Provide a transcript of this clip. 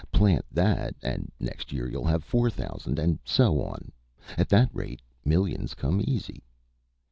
Plant that, and next year you'll have four thousand, and so on. At that rate millions come easy."